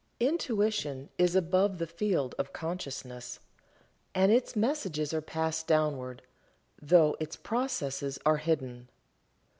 Intuition is above the field of consciousness, and its messages are passed downward, though its processes are hidden.